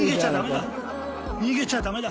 逃げちゃダメだ！